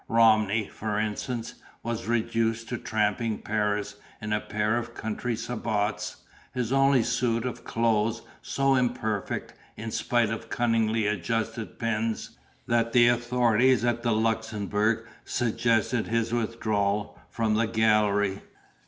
Romney (for instance) was reduced to tramping Paris in a pair of country sabots, his only suit of clothes so imperfect (in spite of cunningly adjusted pins) that the authorities at the Luxembourg suggested his withdrawal from the gallery.